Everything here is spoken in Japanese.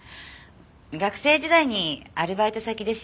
学生時代にアルバイト先で知り合って。